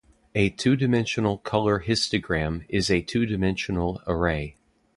A two-dimensional color histogram is a two-dimensional array.